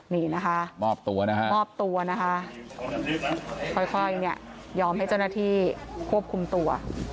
นี่นะคะมอบตัวนะฮะมอบตัวนะคะค่อยเนี่ยยอมให้เจ้าหน้าที่ควบคุมตัว